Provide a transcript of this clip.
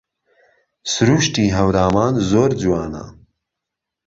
سرووشتی هەورامان زۆر جوانە